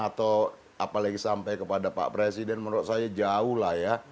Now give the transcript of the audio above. atau apalagi sampai kepada pak presiden menurut saya jauh lah ya